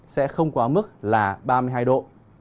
sẽ không quá mức là ba mươi hai độ